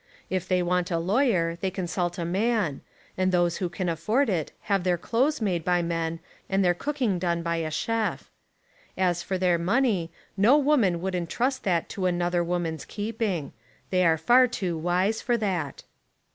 If they want a lawyer they consult a man, and those who can afford it have their clothes' made by men, and their cooking done by a chef. As for their money, no woman would entrust that to another woman's keeping. They are far too wise for that.